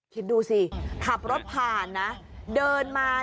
คิดดูสิขับรถผ่านนะ